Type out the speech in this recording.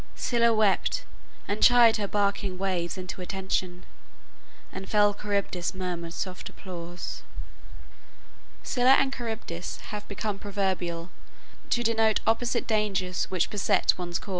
Scylla wept, And chid her barking waves into attention, And fell Charybdis murmured soft applause." Scylla and Charybdis have become proverbial, to denote opposite dangers which beset one's course.